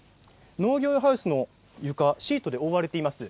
農業ハウスの床シートで覆われています。